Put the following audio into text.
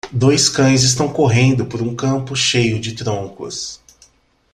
Dois cães estão correndo por um campo cheio de troncos.